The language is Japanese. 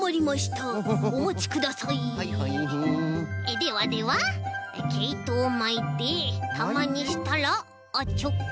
ではではけいとをまいてたまにしたらあっチョッキン！